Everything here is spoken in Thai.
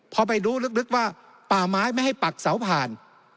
พอไปรู้ลึกว่าป่าไม้ไม่ให้ปักเสาผ่าน